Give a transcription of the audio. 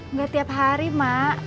enggak tiap hari mak